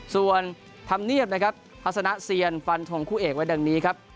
ส่วนธรรมเนียบภาษณะเซียนฟันธงคู่เอกไว้ดังนี้